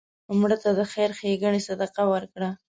مړه ته د خیر ښیګڼې صدقه وکړه